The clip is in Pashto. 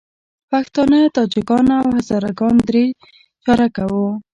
پښتانه، تاجکان او هزاره ګان درې چارکه وو.